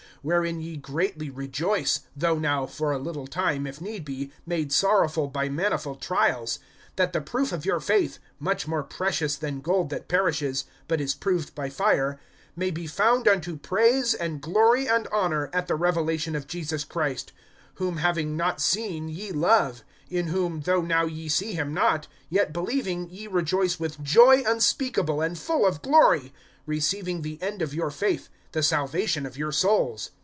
(6)Wherein ye greatly rejoice, though now for a little time, if need be, made sorrowful by manifold trials; (7)that the proof of your faith, much more precious than gold that perishes, but is proved by fire, may be found unto praise and glory and honor at the revelation of Jesus Christ; (8)whom having not seen ye love; in whom, though now ye see him not, yet believing, ye rejoice with joy unspeakable and full of glory; (9)receiving the end of your faith, the salvation of your souls.